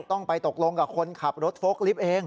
ต้องไปตกลงกับคนขับรถโฟล์กลิฟต์เอง